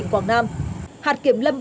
quán tôi xô lên